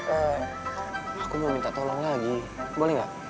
aku mau minta tolong lagi boleh engga